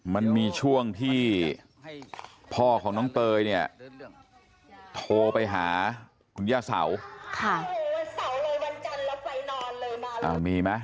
มันมีช่วงที่พ่อของน้องเปยเนี่ยโทรไปหาย่าเสามีมั้ย